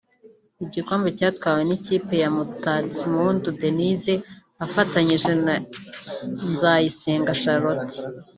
igikombe cyatwawe n’ikipe ya Mutatsimpundu Denyse afatanyije na Nzayisenga Charlotte